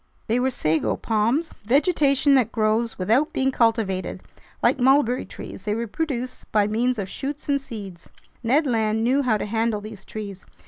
They were sago palms, vegetation that grows without being cultivated; like mulberry trees, they reproduce by means of shoots and seeds. Ned Land knew how to handle these trees.